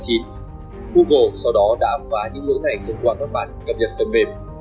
google sau đó đã phá những lỗi này thông qua các bản cập nhật phần mềm